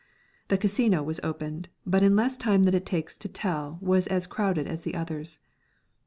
The Casino was opened, but in less time than it takes to tell was as crowded as the others.